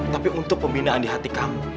tapi untuk pembinaan di hati kami